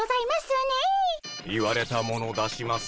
言われたもの出します。